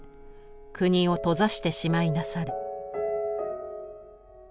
国を閉ざしてしまいなされ」。